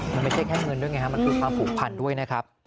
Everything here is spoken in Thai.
มันไม่ใช่แค่เงินด้วยไงฮะมันคือความผูกพันด้วยนะครับ